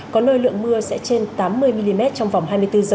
có nơi lượng mưa sẽ trên tám mươi mm trong vòng hai mươi bốn h